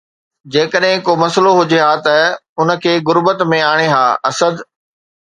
جيڪڏهن ڪو مسئلو هجي ها ته ان کي غربت ۾ آڻي ها“ اسد